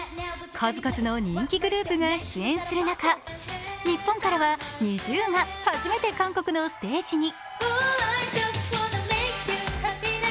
数々の人気グループが出演する中、日本からはＮｉｚｉＵが初めて韓国のステージに。